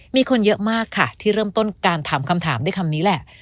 มีคนเยอะมากค่ะที่เริ่มต้นการถามคำถามด้วยคำนี้แหละ